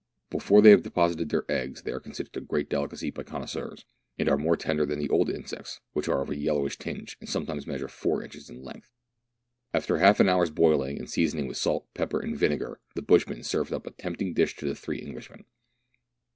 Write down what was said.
Before they have deposited their eggs, they are considered a great delicacy by connoisseurs, and are more tender than the old insects, which are of a yellowish tinge, and sometimes measure four inches in length. After half an hour's boiling and seasoning with salt, pepper, and vinegar, the bushman served up a tempting dish to the three English men.